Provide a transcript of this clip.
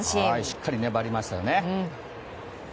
しっかり粘りましたね。